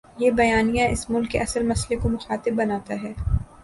یہ بیانیہ اس ملک کے اصل مسئلے کو مخاطب بناتا ہے۔